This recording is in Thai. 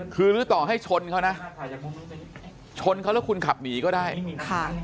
คือหรือต่อให้ชนเขานะชนเขาแล้วคุณขับหนีก็ได้ค่ะ